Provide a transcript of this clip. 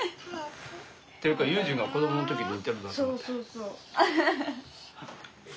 っていうか悠仁が子どもの時に似てるなと思って。